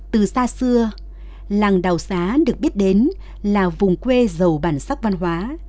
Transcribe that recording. từ xa xưa làng đào xá được biết đến là vùng quê giàu bản sắc văn hóa